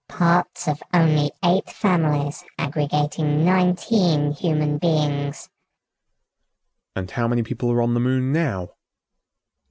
"Parts of only eight families aggregating nineteen human beings." "And how many people are on the Moon now?"